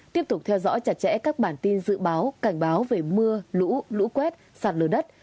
tiếp tục theo dõi chặt chẽ các bản tin dự báo cảnh báo về mưa lũ lũ quét sạt lở đất